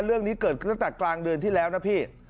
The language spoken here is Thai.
เรื่องนี้เกิดขึ้นตั้งแต่กลางเดือนที่แล้วนะพี่